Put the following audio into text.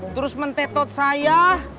terus mentetot saya